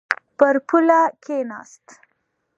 پر پوله کښېناست.